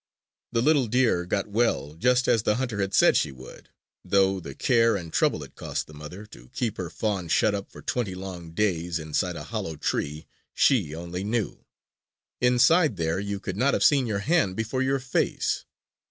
The little deer got well, just as the hunter had said she would; though the care and trouble it cost the mother to keep her fawn shut up for twenty long days inside a hollow tree, she only knew. Inside there you could not have seen your hand before your face!